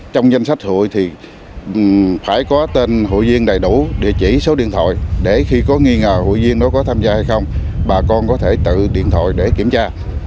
trong danh sách hụi thì phải có tên hụi viên đầy đủ địa chỉ số điện thoại để khi có nghi ngờ hụi viên nó có tham gia hay không bà con có thể tự điện thoại để kiểm tra